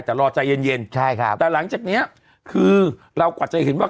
แต่รอใจเย็นแต่หลังจากนี้คือเรากวัดจะเห็นว่า